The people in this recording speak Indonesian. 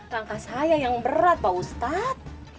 langkah saya yang berat pak ustadz